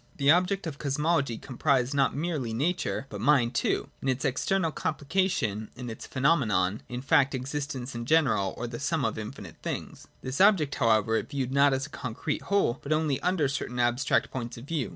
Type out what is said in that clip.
The object of Cosmology comprised not merely Nature, but Mind too, in its external complication in its pheno menon,— in fact, existence in general, or the sum of finite things. This object however it viewed not as a concre;e whole, but only under certain abstract points of view.